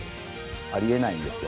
ありえないんですよ。